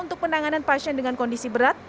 untuk penanganan pasien dengan kondisi berat